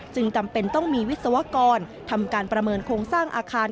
จำเป็นต้องมีวิศวกรทำการประเมินโครงสร้างอาคาร